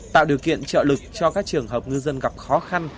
tạo điều kiện trợ lực cho các trường hợp ngư dân gặp khó khăn